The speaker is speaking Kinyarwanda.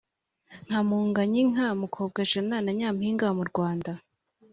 nka munganyinka mukobwajana na nyampinga mu rwanda